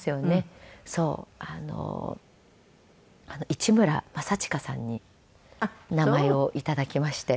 市村正親さんに名前を頂きまして。